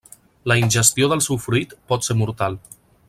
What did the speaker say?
La ingestió del seu fruit pot ser mortal.